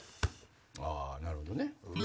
あぁなるほどね。